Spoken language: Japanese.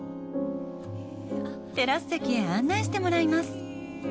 テラス席へ案内してもらいます。